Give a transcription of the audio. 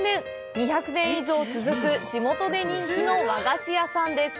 ２００年以上続く地元で人気の和菓子屋さんです。